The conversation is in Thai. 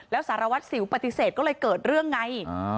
แล้วสารวัตรสิวปฏิเสธก็เลยเกิดเรื่องไง